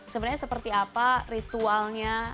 sebenarnya seperti apa ritualnya